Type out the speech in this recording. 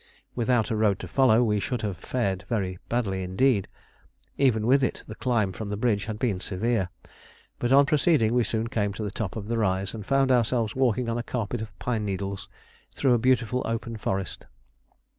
Without a road to follow, we should have fared badly indeed. Even with it, the climb from the bridge had been severe, but on proceeding we soon came to the top of the rise and found ourselves walking on a carpet of pine needles through a beautiful open forest.